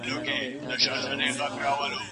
دا نښلېدنه بدن ته لارښوونه کوي.